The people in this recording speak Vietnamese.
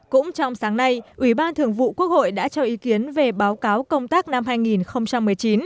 cũng trong sáng nay ủy ban thường vụ quốc hội đã cho ý kiến về báo cáo công tác năm hai nghìn một mươi chín